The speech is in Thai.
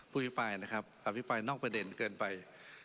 อภิปรายนะครับอภิปรายนอกประเด็นเกินไป